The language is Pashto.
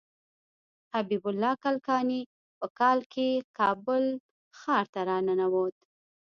حبیب الله کلکاني په کال کې کابل ښار ته راننوت.